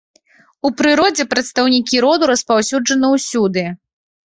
У прыродзе прадстаўнікі роду распаўсюджаны ўсюды.